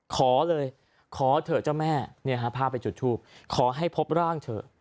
ขอเลยขอเถอะเจ้าแม่พาไปจุดทูปขอให้พบร่างเถอะ